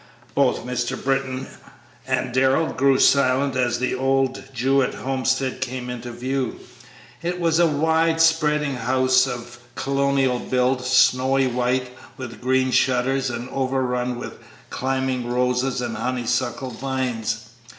Both Mr. Britton and Darrell grew silent as the old Jewett homestead came in view. It was a wide spreading house of colonial build, snowy white with green shutters and overrun with climbing roses and honeysuckle vines.